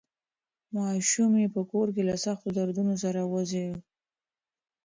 ماشوم یې په کور کې له سختو دردونو سره وزېږېد.